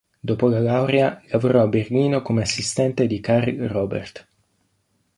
Dopo la laurea, lavorò a Berlino come assistente di Carl Robert.